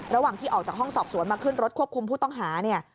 ระหว่างที่ออกจากห้องสอบสวนมาขึ้นรถควบคุมผู้ต้องหาเนี่ย